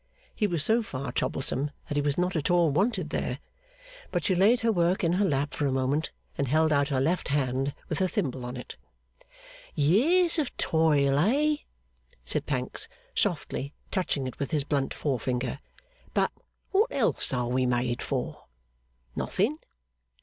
He was so far troublesome that he was not at all wanted there, but she laid her work in her lap for a moment, and held out her left hand with her thimble on it. 'Years of toil, eh?' said Pancks, softly, touching it with his blunt forefinger. 'But what else are we made for? Nothing.